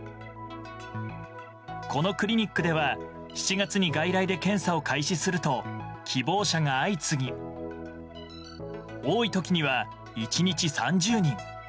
このクリニックでは７月に外来で検査を開始すると希望者が相次ぎ多い時には、１日３０人。